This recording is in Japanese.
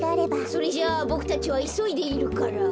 それじゃボクたちはいそいでいるから。